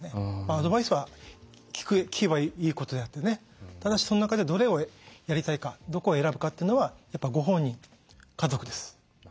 アドバイスは聞けばいいことであってねただしその中でどれをやりたいかどこを選ぶかっていうのはやっぱりご本人家族です。